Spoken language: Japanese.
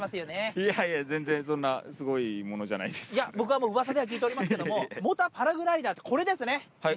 いやいや、全然、そんなすごいや、僕はもう、うわさには聞いておりますけれども、モーターパラグライダーって、これですはい。